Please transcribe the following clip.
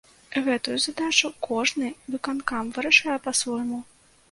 Гэтую задачу кожны выканкам вырашае па-свойму.